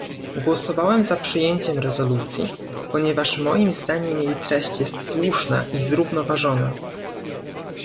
Głosowałem za przyjęciem rezolucji, ponieważ moim zdaniem jej treść jest słuszna i zrównoważona